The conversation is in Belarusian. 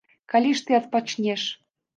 Калі ж ты адпачнеш?